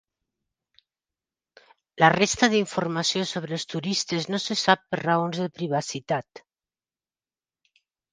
La resta d'informació sobre els turistes no se sap per raons de privacitat.